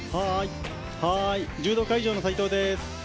柔道会場の斎藤です。